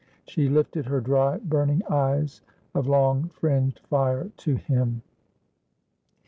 She lifted her dry burning eyes of long fringed fire to him.